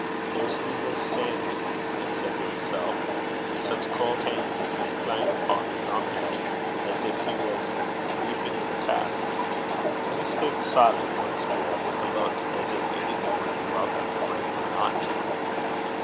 'There's Dooble Sanny,' he said to himself 'wi' siccan cauld han's, 'at he's playin' upo' the drum heid as gin he was loupin' in a bowie (leaping in a cask).' Then he stood silent once more, with a look as if anything would be welcome to break the monotony.